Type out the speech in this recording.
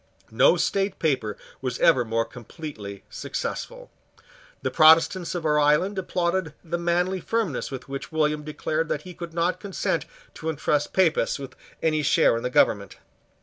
No state paper was ever more completely successful. The Protestants of our island applauded the manly firmness with which William declared that he could not consent to entrust Papists with any share in the government.